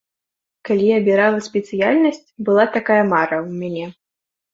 Калі абірала спецыяльнасць, была такая мара ў мяне.